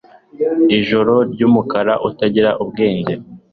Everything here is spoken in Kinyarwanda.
Ijoro ryumukara utagira ubwenge